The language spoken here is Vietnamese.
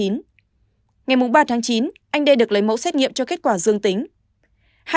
ngày ba tháng chín anh đê được lấy mẫu xét nghiệm cho kết quả dương tính